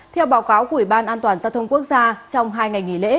theo báo cáo của ủy ban an toàn giao thông quốc gia trong hai ngày nghỉ lễ